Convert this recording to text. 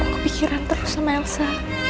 kepikiran terus sama elsa